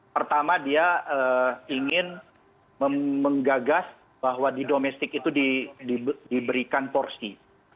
pertama dia ingin menggagas bahwa di domestik itu diberikan porsi